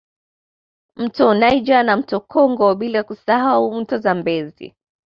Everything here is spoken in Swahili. Mto Niger na mto Congo bila kusahau mto Zambezi